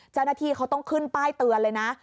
เจ้าหน้าที่เขาต้องขึ้นป้ายเตือนเลยนะ